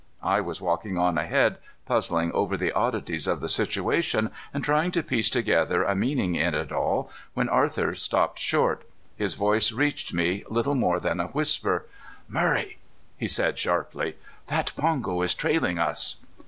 I was walking on ahead, puzzling over the oddities of the situation and trying to piece together a meaning in it all when Arthur stopped short. His voice reached me, little more than a whisper. "Murray," he said sharply, "that pongo is trailing us."